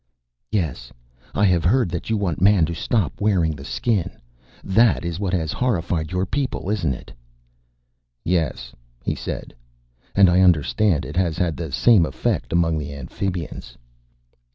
"Yes, I have heard that you want Man to stop wearing the Skin. That is what has horrified your people, isn't it?" "Yes," he said. "And I understand it has had the same effect among the Amphibians."